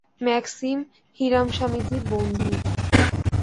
Maxim, Hiram স্বামীজীর বন্ধু।